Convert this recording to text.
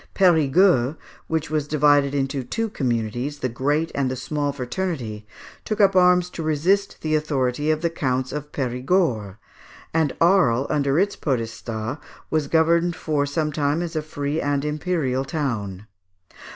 Périgueux, which was divided into two communities, "the great and the small fraternity," took up arms to resist the authority of the Counts of Périgord; and Arles under its podestats was governed for some time as a free and imperial town.